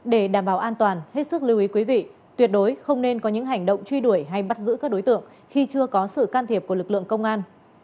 để đảm bảo an toàn hết sức lưu ý quý vị tuyệt đối không nên có những hành động truy đuổi hay bắt giữ các đối tượng khi chưa có sự can thiệp của lực lượng công an